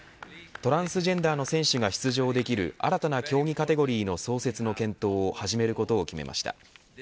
トランスジェンダーの選手が出場できる新たな競技カテゴリーの創設の検討を始めることを決めました。